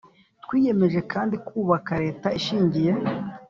Twiyemeje kandi kubaka leta ishingiye